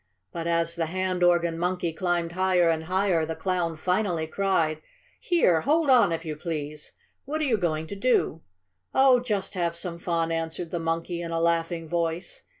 But as the hand organ monkey climbed higher and higher the Clown finally cried: "Here! Hold on if you please! What are you going to do?" "Oh, just have some fun!" answered the monkey in a laughing voice.